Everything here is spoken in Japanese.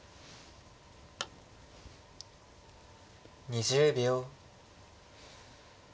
２０秒。